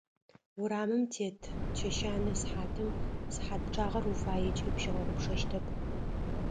Урамым тет чэщанэ сыхьатым, сыхьат пчъагъэр уфаекӏи пщигъэгъупшэщтэп.